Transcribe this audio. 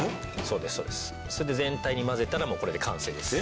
それで全体に混ぜたらもうこれで完成です。